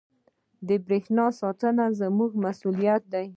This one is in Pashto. • د برېښنا ساتنه زموږ مسؤلیت دی.